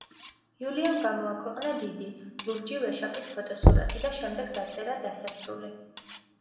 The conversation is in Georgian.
იულიამ გამოაქვეყნა დიდი ლურჯი ვეშაპის ფოტოსურათი და შემდეგ დაწერა „დასასრული“.